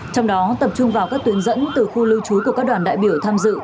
trong đó tập trung vào các tuyến dẫn từ khu lưu trú của các đoàn đại biểu tham dự